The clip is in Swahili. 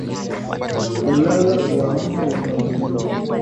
Kulala kuamka ni kwa neema.